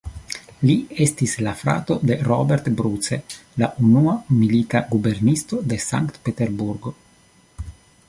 Li estis la frato de "Robert Bruce", la unua milita guberniestro de Sankt-Peterburgo.